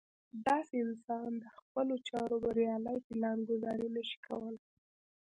داسې انسان د خپلو چارو بريالۍ پلان ګذاري نه شي کولی.